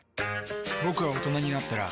「僕は大人になったら」